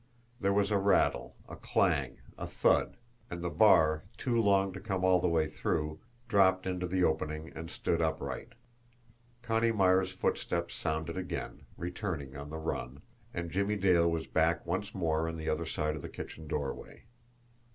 There was a rattle, a clang, a thud and the bar, too long to come all the way through, dropped into the opening and stood upright. Connie Myers' footsteps sounded again, returning on the run and Jimmie Dale was back once more on the other side of the kitchen doorway.